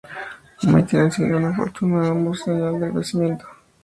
Martyn asignó una fortuna a ambos en señal de agradecimiento.